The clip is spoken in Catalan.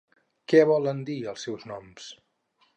Què volen dir els seus noms?